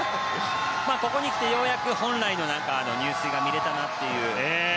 ここにきてようやく本来の入水が見れたなという。